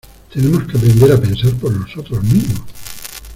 Tenemos que aprender a pensar por nosotros mismos.